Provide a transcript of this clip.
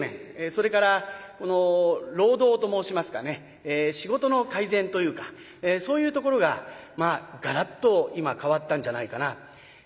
それから労働と申しますかね仕事の改善というかそういうところががらっと今変わったんじゃないかな。